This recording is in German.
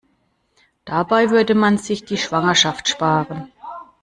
Dabei würde man sich die Schwangerschaft sparen.